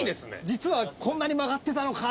実はこんなに曲がってたのか！とか。